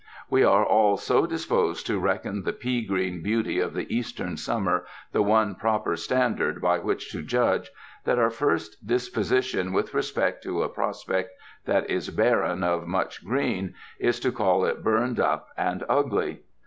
We are all so disposed to reckon the pea green beauty of the Eastern summer the one proper standard by which to judge that our first disposition with respect to a prospect that is barren of much green, is to call it burned up and ugly.